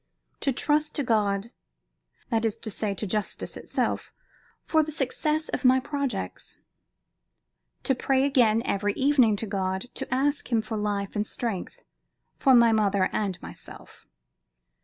To trust to God that is to say, to Justice itself for the success of my projects. To pray again every evening to God to ask Him for life and strength, for my mother and myself.